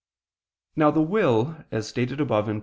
Now the will, as stated above (Q.